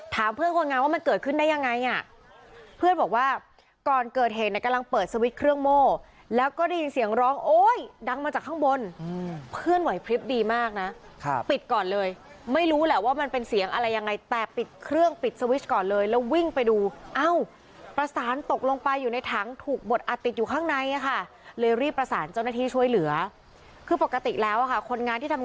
ถามเพื่อนคนงานว่ามันเกิดขึ้นได้ยังไงพี่บอกว่าก่อนเกิดเห็นกำลังเปิดสวิตช์เครื่องโม้